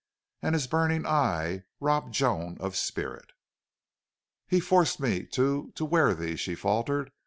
And his burning eyes robbed Joan of spirit. "He forced me to to wear these," she faltered.